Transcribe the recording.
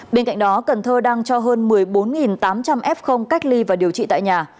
bên cạnh đó cần thơ đang cho hơn một mươi bốn tám trăm linh f cách ly và điều trị tại nhà